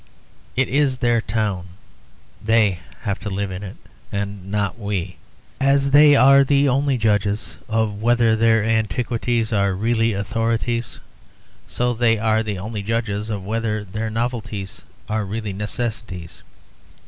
It is their town; they have to live in it, and not we. As they are the only judges of whether their antiquities are really authorities, so they are the only judges of whether their novelties are really necessities.